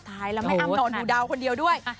ท้ายแล้วแม่อ้ำนอนดูดาวคนเดียวด้วย